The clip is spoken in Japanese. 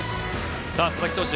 佐々木投手